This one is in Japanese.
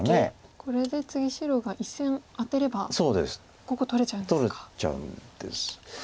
これで次白が１線アテればここ取れちゃうんですか。